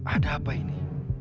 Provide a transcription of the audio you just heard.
ada apa ini